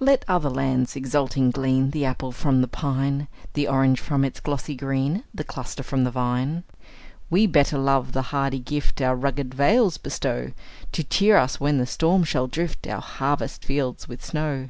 Let other lands, exulting, glean The apple from the pine, The orange from its glossy green, The cluster from the vine; We better love the hardy gift Our rugged vales bestow, To cheer us when the storm shall drift Our harvest fields with snow.